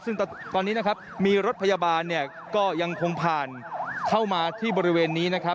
ซึ่งตอนนี้นะครับมีรถพยาบาลเนี่ยก็ยังคงผ่านเข้ามาที่บริเวณนี้นะครับ